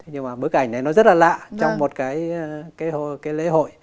nhưng mà bức ảnh này nó rất là lạ trong một cái lễ hội